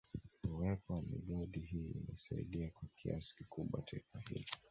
Uwepo wa migodi hii imesaidia kwa kiasi kikubwa taifa hilo